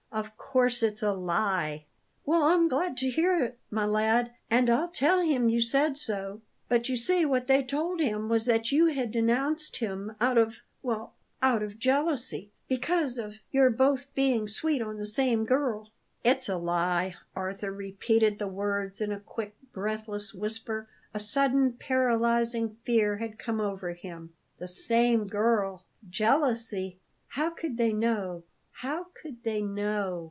"Of course it's a lie." "Well, I'm glad to hear it, my lad, and I'll tell him you said so. But you see what they told him was that you had denounced him out of well, out of jealousy, because of your both being sweet on the same girl." "It's a lie!" Arthur repeated the words in a quick, breathless whisper. A sudden, paralyzing fear had come over him. "The same girl jealousy!" How could they know how could they know?